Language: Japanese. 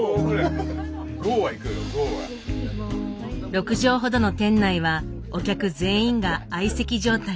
６畳ほどの店内はお客全員が相席状態。